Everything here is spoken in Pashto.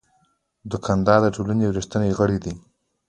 دوکاندار د ټولنې یو ریښتینی غړی دی.